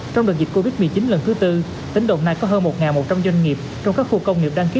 trong đợt dịch covid một mươi chín lần thứ tư tỉnh đồng nai có hơn một một trăm linh doanh nghiệp trong các khu công nghiệp đăng ký